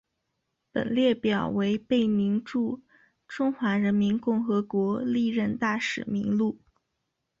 本列表为贝宁驻中华人民共和国历任大使名录。